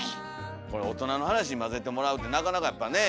これ大人の話に交ぜてもらうってなかなかやっぱねえ？